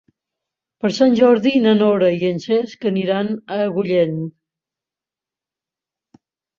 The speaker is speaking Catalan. Per Sant Jordi na Nora i en Cesc aniran a Agullent.